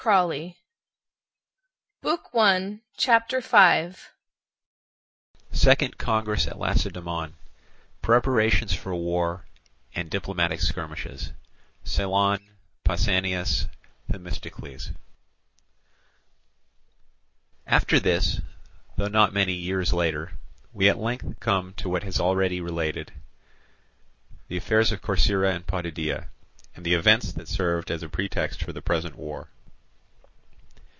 CHAPTER V Second Congress at Lacedaemon—Preparations for War and Diplomatic Skirmishes—Cylon—Pausanias—Themistocles After this, though not many years later, we at length come to what has been already related, the affairs of Corcyra and Potidæa, and the events that served as a pretext for the present war.